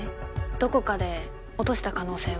どこかで落とした可能性は？